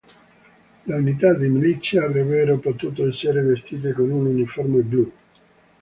Le unità di milizia avrebbero potuto essere vestite con un uniforme blu.